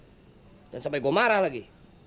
jangan sampai gue marah lagi